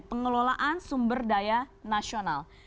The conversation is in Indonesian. pengelolaan sumber daya nasional